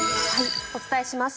お伝えします。